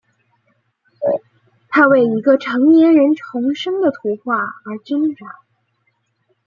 他为一个成年人重生的图画而挣扎。